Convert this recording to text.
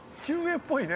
いっぽいね。